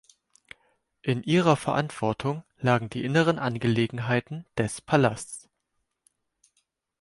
In ihrer Verantwortung lagen die inneren Angelegenheiten des Palastes.